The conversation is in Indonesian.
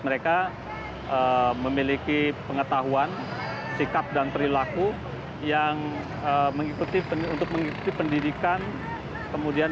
mereka memiliki pengetahuan sikap dan perilaku yang mengikuti untuk mengikuti pendidikan kemudian